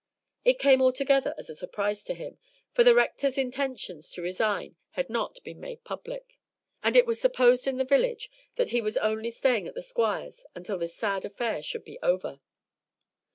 It came altogether as a surprise to him, for the Rector's intentions to resign had not been made public, and it was supposed in the village that he was only staying at the Squire's until this sad affair should be over.